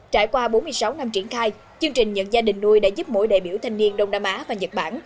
trải qua bốn mươi sáu năm triển khai chương trình nhận gia đình nuôi đã giúp mỗi đại biểu thanh niên đông nam á và nhật bản